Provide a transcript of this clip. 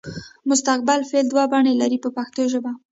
مستقبل فعل دوه بڼې لري په پښتو ژبه.